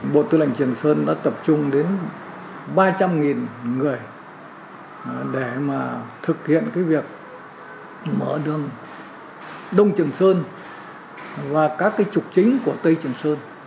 bộ tư lệnh trường sơn đã tập trung đến ba trăm linh người để mà thực hiện việc mở đường đông trường sơn và các trục chính của tây trường sơn